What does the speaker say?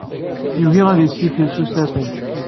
Yugi ad yessikel s usafag.